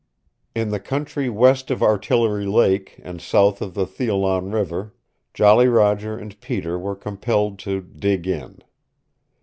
In the country west of Artillery Lake and south of the Theolon River, Jolly Roger and Peter were compelled to "dig in."